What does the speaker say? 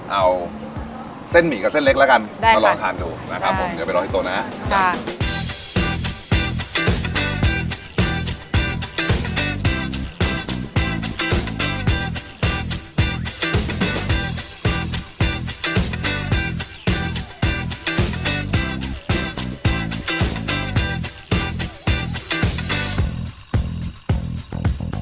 เอาเส้นมีกับเส้นเล็กแล้วกันมาลองทานดูนะครับผม